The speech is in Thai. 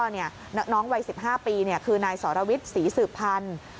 น้องวัย๑๕ปีคือนายสรวิทย์ศรีสืบพันธ์